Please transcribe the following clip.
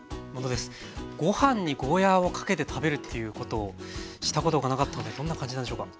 ご飯にゴーヤーをかけて食べるということをしたことがなかったのでどんな感じなんでしょうか。